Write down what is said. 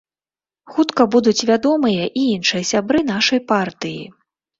Хутка будуць вядомыя і іншыя сябры нашай партыі.